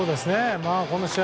この試合